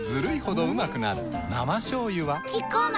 生しょうゆはキッコーマン